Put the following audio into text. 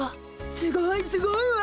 すごいすごいわ！